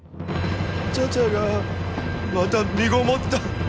茶々がまたみごもった！